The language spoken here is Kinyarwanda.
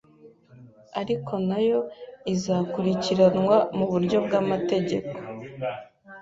ariko nayo izakurikiranwa mu buryo bw’amategeko